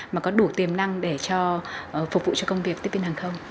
mà có đủ tiềm năng để cho phục vụ cho công việc tiếp viên hàng không